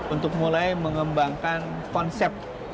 untuk mulai mengembangkan konsep